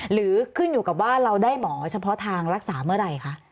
หรือขึ้นอยู่กับว่าเราได้หมอเฉพาะทางรักษาเมื่อไหร่คะ